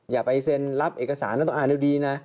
อย่าไปเซ็นรับเอกสารต้องอ่านดีนะ